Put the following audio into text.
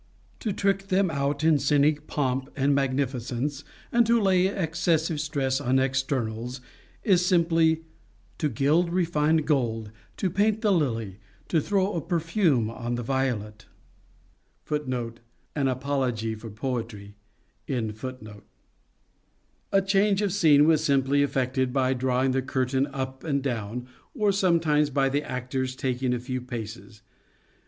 To trick them out in scenic pomp and magnifi cence and to lay excessive stress on externals is simply To gild refined gold, to paint the lily, To throw a perfume on the violet.f A change of scene was simply effected by draw ing the curtain up and down, or sometimes by the actors taking a few paces.